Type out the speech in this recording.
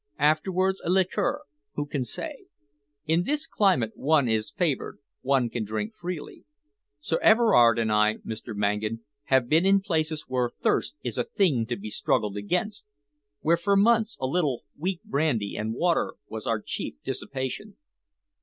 Afterwards a liqueur who can say? In this climate one is favoured, one can drink freely. Sir Everard and I, Mr. Mangan, have been in places where thirst is a thing to be struggled against, where for months a little weak brandy and water was our chief dissipation."